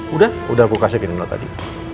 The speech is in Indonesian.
udah udah aku kasih ke nino tadi